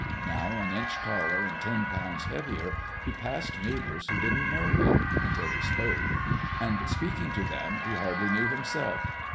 Now, an inch taller and ten pounds heavier, he passed neighbors who didn't know him—until he spoke. And, speaking to them, he hardly knew himself.